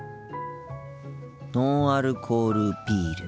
ノンアルコールビール。